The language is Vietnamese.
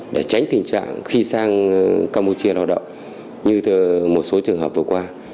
để tránh tình trạng khi sang campuchia lao động như một số trường hợp vừa qua